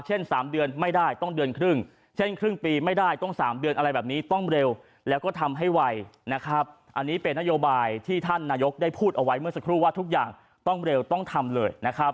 อันนี้เป็นนโยบายที่ท่านนายกได้พูดเอาไว้เมื่อสักครู่ว่าทุกอย่างต้องเร็วต้องทำเลย